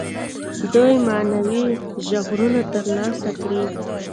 دوی معنوي ژغورنه تر لاسه کړي.